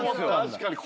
確かに。